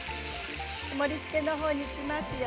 盛りつけの方に行きますよ。